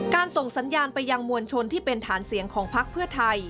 ส่งสัญญาณไปยังมวลชนที่เป็นฐานเสียงของพักเพื่อไทย